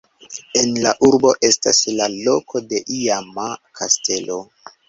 En la urbo estas la loko de iama kastelo.